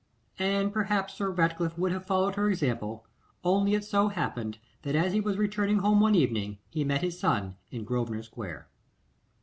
And perhaps Sir Ratcliffe would have followed her example, only it so happened that as he was returning home one morning, he met his son in Grosvenor square.